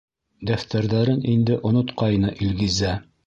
Дәфтәрҙәрен инде онотҡайны Илгизә.